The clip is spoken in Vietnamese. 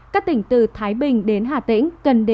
các tỉnh từ thái bình đến hà tĩnh